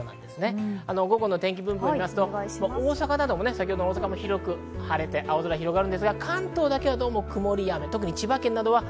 今日はこの午後の天気分布を見ますと大阪なども広く晴れて青空が広がるんですが、関東だけは曇りや雨。